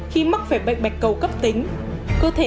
khi mắc về bệnh bạch cầu cấp tính